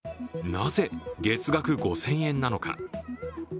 なぜ月額５０００円なのか。